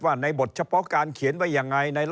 ขั้นต่ำเอาอย่างนี้